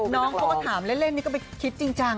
น้องเขาก็ถามเล่นนี่ก็ไปคิดจริงจัง